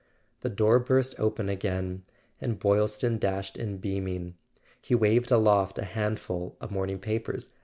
The door burst open again, and Boylston dashed in beaming. He waved aloft a handful of morning papers.